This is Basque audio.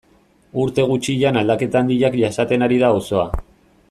Urte gutxian aldaketa handiak jasaten ari da auzoa.